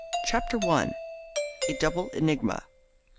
CHAPTER I. A DOUBLE ENIGMA.